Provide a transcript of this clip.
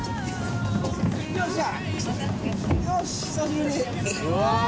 よっしゃ！